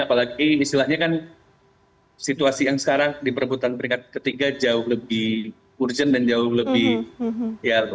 apalagi misalnya kan situasi yang sekarang di perebutan berikat ketiga jauh lebih urgent dan jauh lebih left on